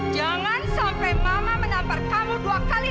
jangan sampai mama menampar kamu dua kali